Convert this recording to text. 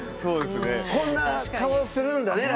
こんな顔するんだね